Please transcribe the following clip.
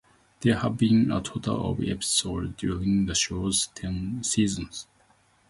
There have been a total of episodes during the show's ten seasons.